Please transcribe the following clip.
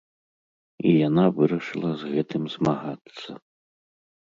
І яна вырашыла з гэтым змагацца.